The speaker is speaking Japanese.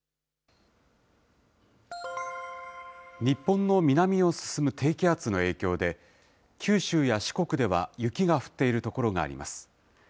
日本の南を進む低気圧の影響で、九州や四国では雪が降っている所があります。